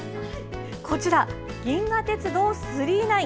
こちら「銀河鉄道９９９」。